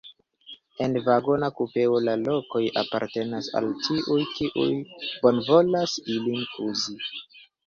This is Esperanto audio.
En vagona kupeo la lokoj apartenas al tiuj, kiuj bonvolas ilin uzi.